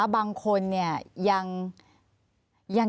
บางคนยัง